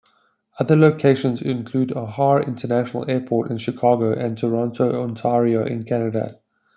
Other locations included O'Hare International Airport in Chicago and Toronto, Ontario in Canada.